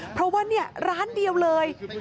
เพราะว่าร้านเดียวเลย